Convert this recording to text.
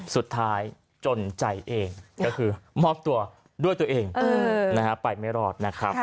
สุดท้ายจนใจเองก็คือมอบตัวด้วยตัวเองไปไม่รอด